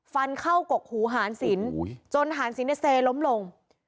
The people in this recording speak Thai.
ฟันเข้ากกหูหารศิลป์จนหานสินเซล้มลง